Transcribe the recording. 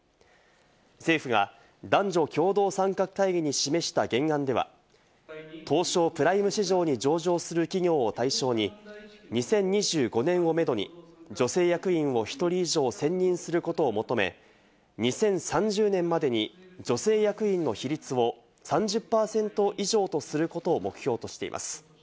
政府が男女共同参画会議に示した原案では、東証プライム市場に上場する企業を対象に、２０２５年をめどに女性役員を１人以上選任することを求め、２０３０年までに女性役員の比率を３０％以上とすることを目標としています。